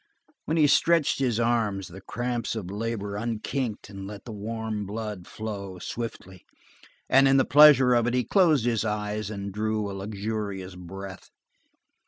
When he stretched his arms, the cramps of labor unkinked and let the warm blood flow, swiftly, and in the pleasure of it he closed his eyes and drew a luxurious breath.